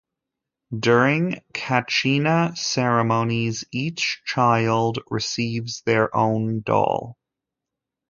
During Kachina ceremonies, each child receives their own doll.